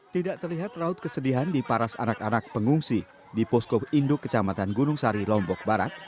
tidak terlihat raut kesedihan di paras anak anak pengungsi di posko induk kecamatan gunung sari lombok barat